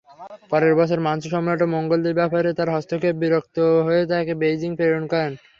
পরের বছর মাঞ্চু সম্রাট মঙ্গোলদের ব্যাপারে তার হস্তক্ষেপে বিরক্ত হয়ে তাকে বেইজিং প্রেরণ করেন।